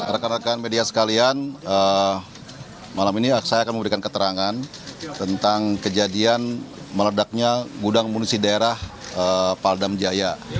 rekan rekan media sekalian malam ini saya akan memberikan keterangan tentang kejadian meledaknya gudang munisi daerah paldam jaya